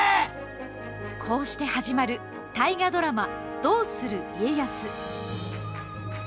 こうして始まる大河ドラマ、どうする家康。